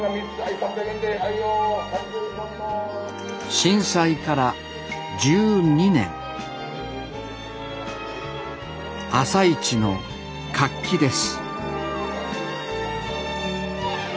震災から１２年朝市の活気です